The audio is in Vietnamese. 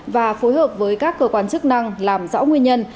và phối hợp với các cơ quan chức năng làm rõ nguyên nhân